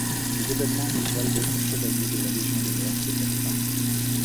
Ces événements lui valent d'être fait chevalier de la Légion d'honneur cette année-là.